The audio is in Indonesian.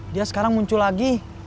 dia sekarang muncul lagi